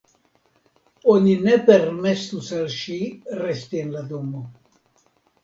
Oni ne permesus al ŝi resti en la domo.